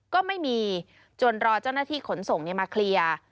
ก็ไม่มีจนรอเจ้าหน้าที่ขนส่งมาเคลียร์